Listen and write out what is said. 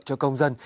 cho công dân